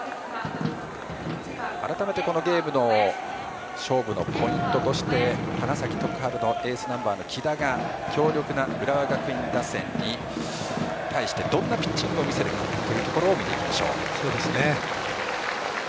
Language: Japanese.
改めて、このゲームの勝負のポイントとして花咲徳栄のエースナンバーの木田が強力な浦和学院打線に対してどんなピッチングをしてくるのかというところを見ていきましょう。